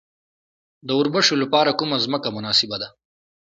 د وربشو لپاره کومه ځمکه مناسبه ده؟